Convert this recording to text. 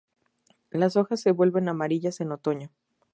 Las hojas se vuelven amarillas en otoño.